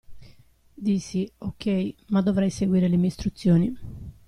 Dissi: "OK, ma dovrai seguire le mie istruzioni".